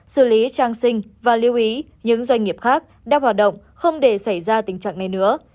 xử lý trang sinh và lưu ý những doanh nghiệp khác đang hoạt động không để xảy ra tình trạng này nữa